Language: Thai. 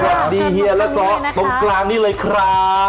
สวัสดีเฮียและซ้อตรงกลางนี้เลยครับ